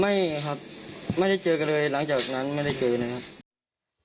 ไม่ครับไม่ได้เจอกันเลยหลังจากนั้นไม่ได้เจอนะครับ